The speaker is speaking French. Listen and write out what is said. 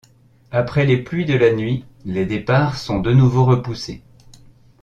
Après les pluies de la nuit, les départs sont de nouveau repoussés.